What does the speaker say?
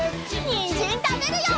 にんじんたべるよ！